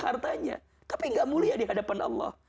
hartanya tapi gak mulia di hadapan allah